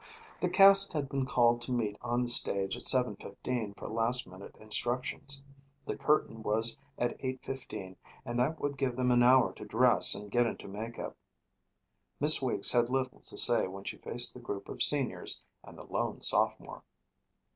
The cast had been called to meet on the stage at seven fifteen for last minute instructions. The curtain was at eight fifteen and that would give them an hour to dress and get into makeup. Miss Weeks had little to say when she faced the group of seniors and the lone sophomore.